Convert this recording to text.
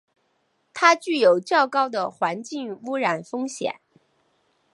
它具有较高的环境污染风险。